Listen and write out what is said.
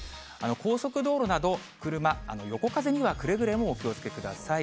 高速道路など車、横風にはくれぐれもお気をつけください。